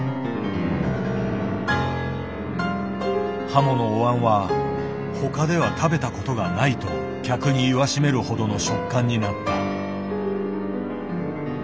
ハモのお椀は「他では食べたことがない」と客に言わしめるほどの食感になった。